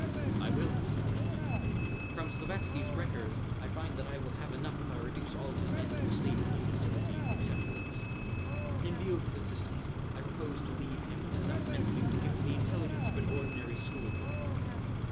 "I will, Mr. President. From Slavatsky's records I find that I will have enough if I reduce all of his men to a state of imbecility except Willis. In view of his assistance, I propose to leave him with enough menthium to give him the intelligence of an ordinary schoolboy."